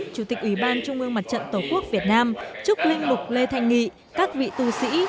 chủ tịch ủy ban trung mương mặt trận tổ quốc việt nam trúc linh mục lê thanh nghị các vị tu sĩ